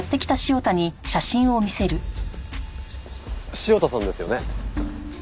潮田さんですよね。